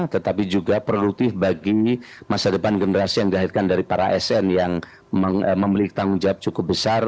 tetapi juga produktif bagi masa depan generasi yang dilahirkan dari para asn yang memiliki tanggung jawab cukup besar